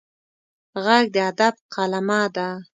غږ د ادب قلمه ده